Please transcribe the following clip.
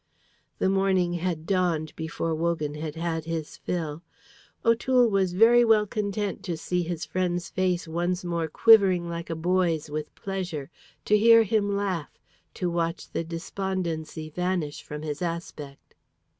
The morning had dawned before Wogan had had his fill. O'Toole was very well content to see his friend's face once more quivering like a boy's with pleasure, to hear him laugh, to watch the despondency vanish from his aspect.